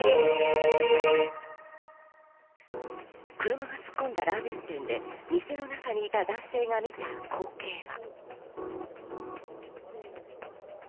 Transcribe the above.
車が突っ込んだラーメン店で店の中にいた男性が見た光景は。